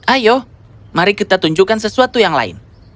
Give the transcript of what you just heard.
ayo mari kita tunjukkan sesuatu yang lain